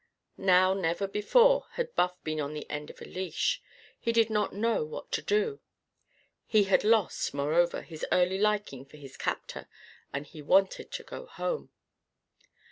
Now, never before had Buff been on the end of a leash. He did not know what to do. He had lost, moreover, his early liking for his captor, and he wanted to go home.